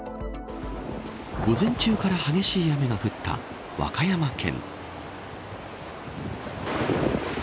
午前中から激しい雨が降った和歌山県。